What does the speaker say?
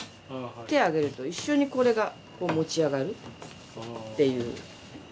手を上げると一緒にこれがこう持ち上がるっていう。